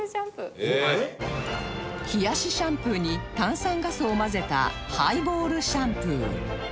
冷やしシャンプーに炭酸ガスを混ぜたハイボールシャンプー